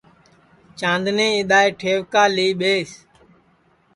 چاندنی اِدؔائے ٹھئوکا لی ٻیس